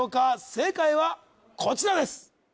正解はこちらです